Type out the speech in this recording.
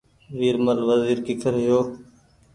ويرمل وزيرڪيکرهيو